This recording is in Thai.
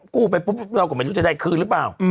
กู้ไปปุ๊บเราก็ไม่รู้จะได้คืนหรือเปล่า